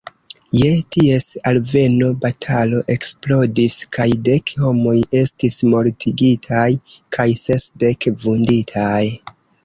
Je ties alveno batalo eksplodis kaj dek homoj estis mortigitaj kaj sesdek vunditaj.